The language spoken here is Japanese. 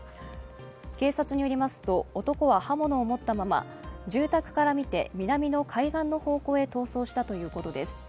警察によりますと、男は刃物を持ったまま、住宅から見て南の海岸の方向へ逃走したということです。